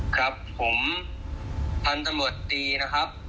ครับผมพันธุ์จังหวัดตีนะครับ